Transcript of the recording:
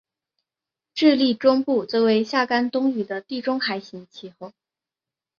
智利中部则为夏干冬雨的地中海型气候。